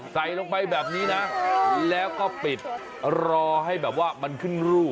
ใส่ลงไปแบบนี้นะแล้วก็ปิดรอให้แบบว่ามันขึ้นรู